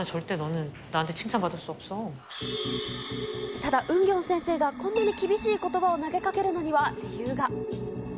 ただ、ウンギョン先生がこんなに厳しいことばを投げかけるのには理由が。